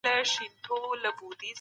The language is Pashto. د کاري قوانینو رعایت ضروري دی.